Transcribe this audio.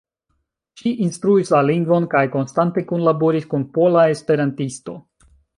Ŝi instruis la lingvon kaj konstante kunlaboris kun Pola Esperantisto.